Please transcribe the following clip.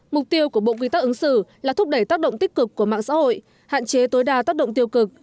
mục tiêu của bộ quy tắc ứng xử là thúc đẩy tác động tích cực của mạng xã hội hạn chế tối đa tác động tiêu cực